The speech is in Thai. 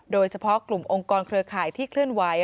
โดยเฉพาะกลุ่มองค์กรเครือข่ายที่เคลื่อนไหว